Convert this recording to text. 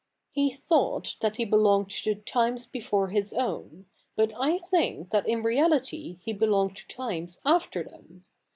' He thought that he belonged to times before his own ; but I think that in reality he belonged to times after them.